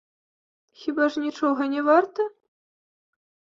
Хіба ж нічога не варта?